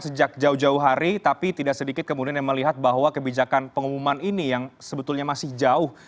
sejak jauh jauh hari tapi tidak sedikit kemudian yang melihat bahwa kebijakan pengumuman ini yang sebetulnya masih jauh